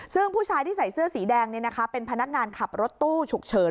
ซึ่งผู้ชายที่ใส่เสื้อสีแดงเป็นพนักงานขับรถตู้ฉุกเฉิน